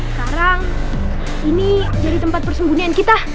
sekarang ini jadi tempat persembunyian kita